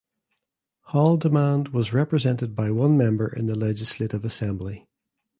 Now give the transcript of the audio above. Haldimand was represented by one member in the Legislative Assembly.